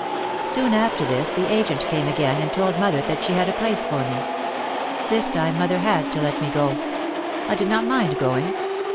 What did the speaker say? Soon after this the agent came again and told mother that she had a place for me. This time mother had to let me go. I did not mind going.